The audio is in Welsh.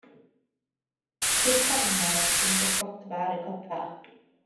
Ceir carnedd yn gysgodfa ar y copa.